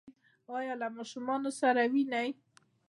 ایا له ماشومانو سره وینئ؟